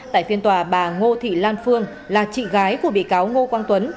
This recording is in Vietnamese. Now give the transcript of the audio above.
tại phiên tòa bà ngô thị lan phương là chị gái của bị cáo ngô quang tuấn